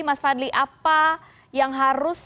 mas fadli apa yang harus